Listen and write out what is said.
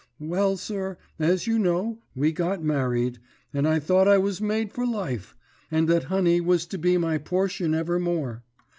Well, sir, as you know, we got married, and I thought I was made for life, and that honey was to be my portion evermore.